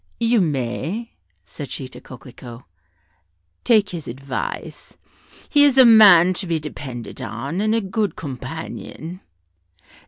"You may," said she to Coquelicot, "take his advice; he is a man to be depended on, and a good companion.